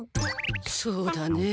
そうだね。